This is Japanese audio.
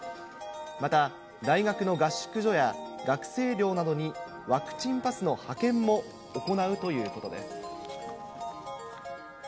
また、大学の合宿所や、学生寮などに、ワクチンパスの派遣も行うということです。